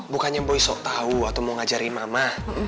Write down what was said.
bukannya boy sok tau atau mau ngajarin mama